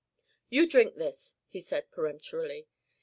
"You drink this," he said peremptorily.